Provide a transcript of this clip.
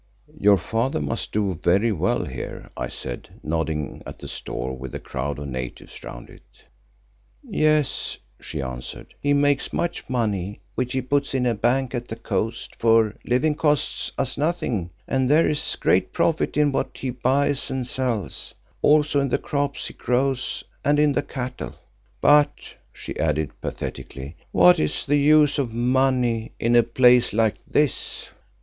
"Your father must do very well here," I said, nodding at the store with the crowd of natives round it. "Yes," she answered, "he makes much money which he puts in a bank at the coast, for living costs us nothing and there is great profit in what he buys and sells, also in the crops he grows and in the cattle. But," she added pathetically, "what is the use of money in a place like this?"